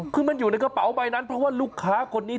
คือมันอยู่ในกระเป๋าใบนั้นเพราะว่าลูกค้าคนนี้